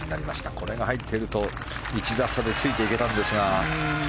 これが入っていると１打差でついていけたんですが。